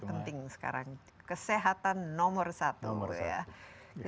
ya penting sekarang kesehatan nomor satu